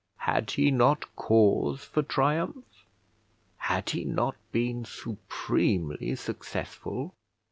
Had he not cause for triumph? Had he not been supremely successful?